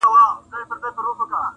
چي یو غټ سي د پنځو باندي یرغل سي.!